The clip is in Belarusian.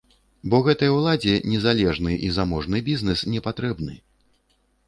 Бо гэтай уладзе незалежны і заможны бізнэс не патрэбны.